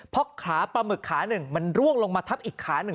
เพราะขาปลาหมึกขาหนึ่งมันร่วงลงมาทับอีกขาหนึ่ง